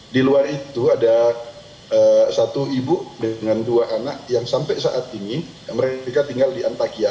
di luar itu ada satu ibu dengan dua anak yang sampai saat ini mereka tinggal di antakia